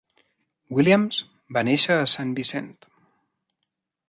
Williams va néixer a Sant Vicent.